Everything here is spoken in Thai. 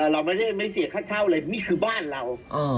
เราไม่ได้ไม่เสียค่าเช่าเลยนี่คือบ้านเรา